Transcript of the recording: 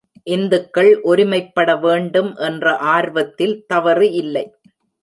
இந்துக்கள் ஒருமைப்படவேண்டும் என்ற ஆர்வத்தில் தவறு இல்லை.